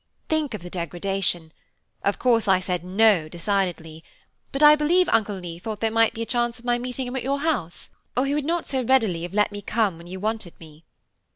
Think of the degradation; of course, I said no, decidedly; but I believe Uncle Leigh thought there might be a chance of my meeting him at your house, or he would not so readily have let me come when you wanted me."